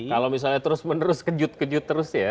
kalau misalnya terus menerus kejut kejut terus ya